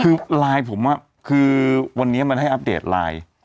คือไลน์ผมคือวันนี้มันให้อัปเดตไลน์